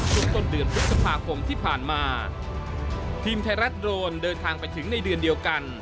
ช่วงต้นเดือนพฤษภาคมที่ผ่านมาทีมไทยรัฐโดรนเดินทางไปถึงในเดือนเดียวกัน